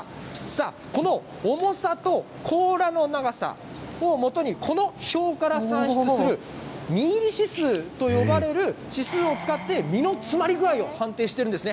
この重さと甲羅の長さを基にこの表から算出する身入り指数と呼ばれる指数を使って身の詰まり具合を判定しているんですね。